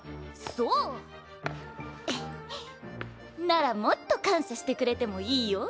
ならもっと感謝してくれてもいいよ。